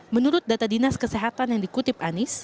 menurut data dinas kesehatan yang dikutip anies